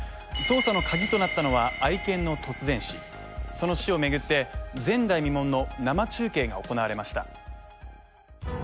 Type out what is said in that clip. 捜査のカギとなったのは愛犬の突然死その死を巡って前代未聞の生中継が行われました